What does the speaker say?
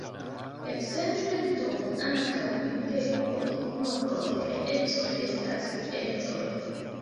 Ekzemple do, ankaŭ ideoj, nombroj kaj ecoj estas entoj.